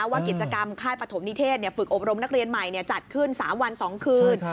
ว่ากิจกรรมค่ายปฐมนิเทศฝึกอบรมนักเรียนใหม่จัดขึ้น๓วัน๒คืน